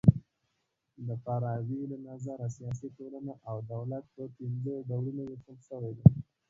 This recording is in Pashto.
د فارابۍ له نظره سیاسي ټولنه او دولت پر پنځه ډولونو وېشل سوي دي.